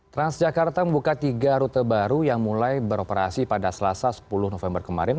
transjakarta membuka tiga rute baru yang mulai beroperasi pada selasa sepuluh november kemarin